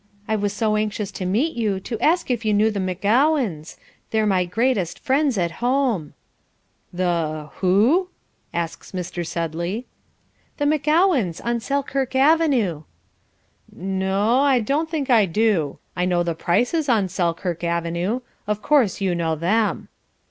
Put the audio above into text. I was so anxious to meet you to ask if you knew the McGowans. They're my greatest friends at home." "The who?" asks Mr. Sedley. "The McGowans on Selkirk Avenue." "No o, I don't think I do. I know the Prices on Selkirk Avenue. Of course you know them."